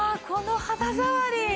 この肌触り！